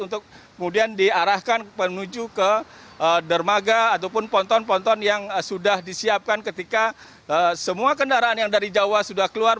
untuk kemudian diarahkan menuju ke dermaga ataupun ponton ponton yang sudah disiapkan ketika semua kendaraan yang dari jawa sudah keluar